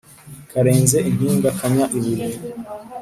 Karenze impinga kannya ibuye.